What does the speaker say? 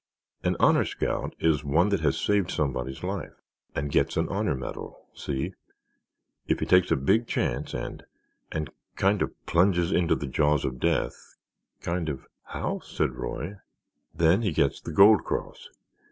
An Honor Scout is one that has saved somebody's life—and gets an honor medal—see? If he takes a big chance and—and—kind of plunges into the jaws of death—kind of—" "How?" said Roy. "Then he gets the gold cross.